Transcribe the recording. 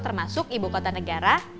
termasuk ibu kota negara